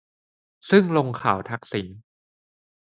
ซึ่งลงข่าวทักษิณ